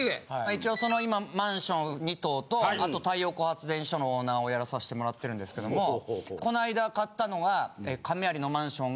一応その今のマンション２棟とあと太陽光発電所のオーナーをやらさしてもらってるんですけどもこないだ買ったのは。